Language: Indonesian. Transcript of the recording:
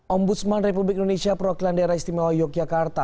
ombudsman republik indonesia perwakilan daerah istimewa yogyakarta